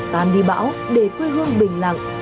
tan đi bão để quê hương bình lặng